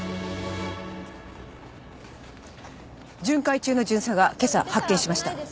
巡回中の巡査が今朝発見しました。